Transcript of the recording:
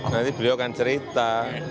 nanti beliau akan cerita